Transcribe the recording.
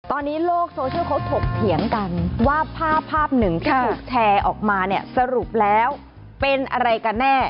ตอนนี้โลกโซเชียลเขาถกเถียงกันว่าภาพภาพหนึ่งที่ถูกแชร์ออกมาเนี่ยสรุปแล้วเป็นอะไรกันแน่